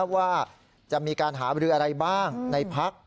ว่าจะมีการหาวิธีอะไรบ้างในภักดิ์